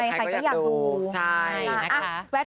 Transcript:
ใครก็อยากดู